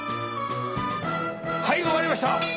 はい終わりました。